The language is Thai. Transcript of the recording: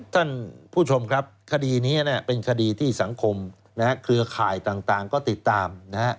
ท่านผู้ชมครับคดีนี้เป็นคดีที่สังคมเครือข่ายต่างก็ติดตามนะฮะ